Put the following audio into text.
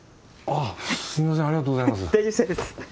あっすみませんありがとうございます。